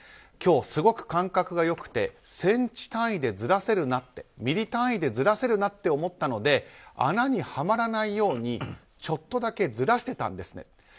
今日すごく感覚が良くてセンチ単位でずらせるなって、ミリ単位でずらせるなと思ったので穴にはまらないようにちょっとだけずらしてたんですね。